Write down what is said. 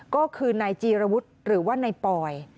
ก็คือในจีระวุธหรือว่าในปลอย